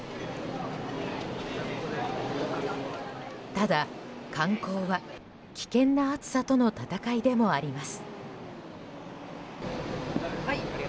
ただ、観光は危険な暑さとの戦いでもあります。